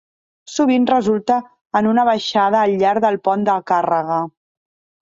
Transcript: Sovint resulta en una baixada al llarg del pont de càrrega.